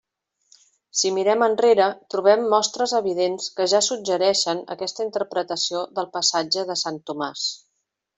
Si mirem enrere, trobem mostres evidents que ja suggereixen aquesta interpretació del passatge de sant Tomàs.